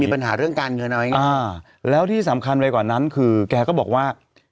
ปัญหาเรื่องการเงินอะไรอย่างนี้แล้วที่สำคัญไปกว่านั้นคือแกก็บอกว่า